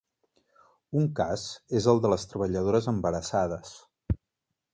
Un cas és el de les treballadores embarassades.